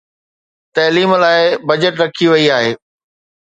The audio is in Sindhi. تعليم لاءِ بجيٽ رکي وئي آهي